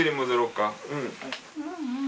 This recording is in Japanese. うん。